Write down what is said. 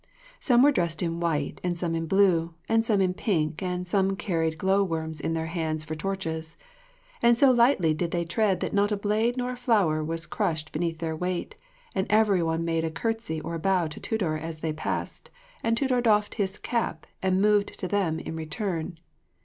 Some were dressed in white, and some in blue, and some in pink, and some carried glow worms in their hands for torches. And so lightly did they tread that not a blade nor a flower was crushed beneath their weight, and every one made a curtsey or a bow to Tudur as they passed, and Tudur doffed his cap and moved to them in return.